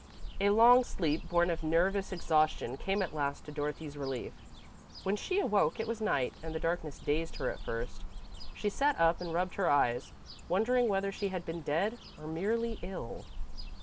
A long sleep, born of nervous exhaustion, came at last to Dorothy's relief. When she awoke, it was night and the darkness dazed her at first. She sat up and rubbed her eyes, wondering whether she had been dead, or merely ill.